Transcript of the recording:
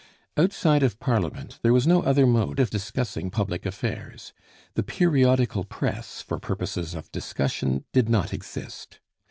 Outside of Parliament there was no other mode of discussing public affairs. The periodical press for purposes of discussion did not exist.